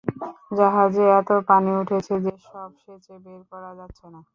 জাহাজে এত পানি উঠছে যে, সব সেচে বের করা যাচ্ছে না।